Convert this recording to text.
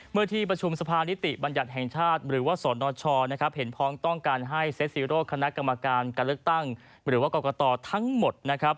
เมื่อที่ประชุมสภานิติบัญญัติแห่งชาติหรือว่าสนชนะครับเห็นพ้องต้องการให้เซ็ซีโร่คณะกรรมการการเลือกตั้งหรือว่ากรกตทั้งหมดนะครับ